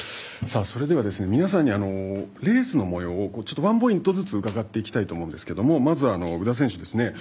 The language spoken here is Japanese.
それでは皆さんにレースの模様をワンポイントずつ伺っていきたいと思いますけれどもまずは宇田選手ですね。